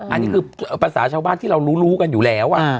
อันนี้คือภาษาชาวบ้านที่เรารู้กันอยู่แล้ว